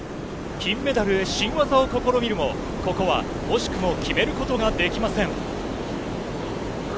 金メダルへ、新技を試みるも、ここは惜しくも決めることができません。